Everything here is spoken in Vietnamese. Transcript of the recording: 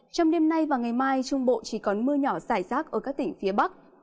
trong đêm nay và ngày mai trung bộ chỉ có mưa nhỏ xảy rác ở các tỉnh phía bắc